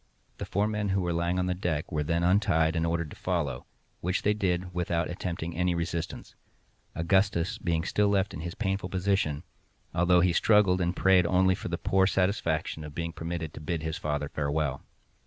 The four men who were lying on the deck were then untied and ordered to follow, which they did without attempting any resistance—Augustus being still left in his painful position, although he struggled and prayed only for the poor satisfaction of being permitted to bid his father farewell.